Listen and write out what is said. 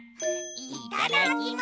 いただきます！